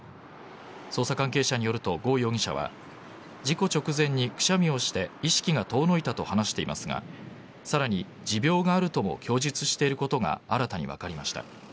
捜査関係者によると、ゴ容疑者は事故直前にくしゃみをして意識が遠のいたと話していますがさらに持病があるとも供述していることが新たに分かりました。